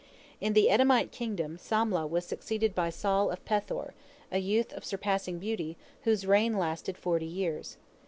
In the Edomite kingdom, Samlah was succeeded by Saul of Pethor, a youth of surpassing beauty, whose reign lasted forty years.